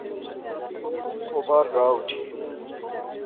او باہر گا اوٹھی